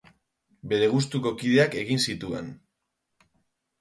Bere gustuko kideak egin zituen.